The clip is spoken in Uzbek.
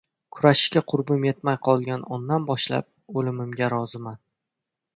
Kurashishga qurbim yetmay qolgan ondan boshlab o‘limimg‘a roziman.